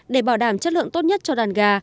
để bảo đảm chất lượng tốt nhất cho đàn gà